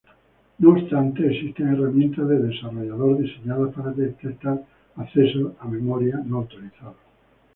No obstante existen herramientas de desarrollador diseñadas para detectar accesos a memoria no autorizados.